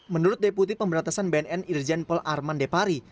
menurut deputi pemberantasan bnn irjen pol arman depari